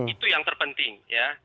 itu yang terpenting